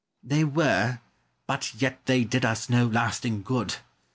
Argyle. They were; but yet they did us no lasting good.